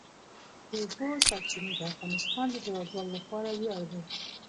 د اوبو سرچینې د افغانستان د هیوادوالو لپاره ویاړ دی.